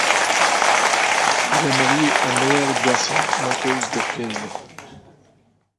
Il est marié à Noëlle Boisson, monteuse de films.